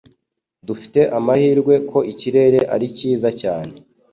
Dufite amahirwe ko ikirere ari cyiza cyane.